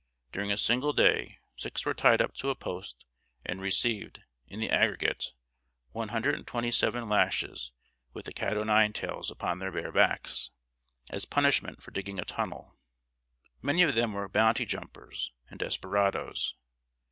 During a single day six were tied up to a post and received, in the aggregate, one hundred and twenty seven lashes with the cat o'nine tails upon their bare backs, as punishment for digging a tunnel. Many of them were "bounty jumpers" and desperadoes.